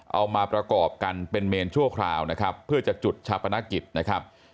เอามาประกอบกันเป็นเมนชั่วคราวนะครับเพื่อจะจุดชาปนกิจนะครับ